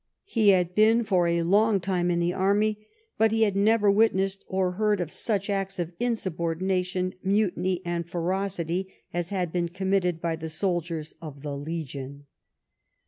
He had been for a long time in the army, but he had never witnessed or heard of such acts of insubordination, mutiny, and ferocity, as had been committed by the soldiers of the Legion.